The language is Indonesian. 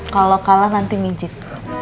kalau kalah nanti mincit